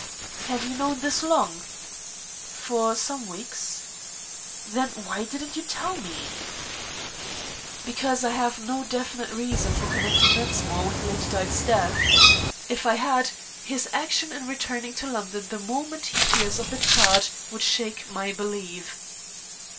"Have you known this long?" "For some weeks." "Then why didn't you tell me?" "Because I have no definite reason for connecting Mensmore with Lady Dyke's death. If I had, his action in returning to London the moment he hears of the charge would shake my belief."